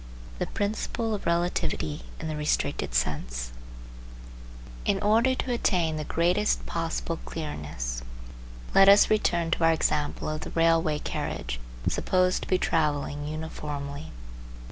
THE PRINCIPLE OF RELATIVITY (IN THE RESTRICTED SENSE) In order to attain the greatest possible clearness, let us return to our example of the railway carriage supposed to be travelling uniformly.